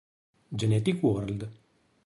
Genetic World